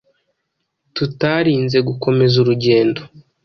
tutarinze gukomeza urugendo